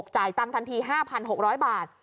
จ่ายตังค์ทันที๕๖๐๐บาท